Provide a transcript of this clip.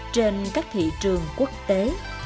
trên các thị trường quốc tế